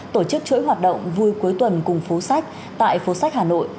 tổ chức chuỗi hoạt động vui cuối tuần cùng phố sách tại phố sách hà nội